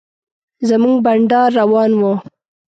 زموږ بنډار روان و.